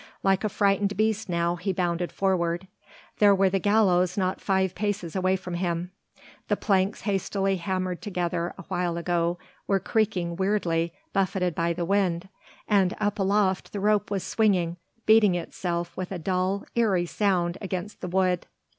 Like a frightened beast now he bounded forward. There were the gallows not five paces away from him; the planks hastily hammered together awhile ago were creaking weirdly, buffeted by the wind, and up aloft the rope was swinging, beating itself with a dull, eerie sound against the wood.